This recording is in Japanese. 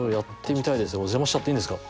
お邪魔しちゃっていいんですか？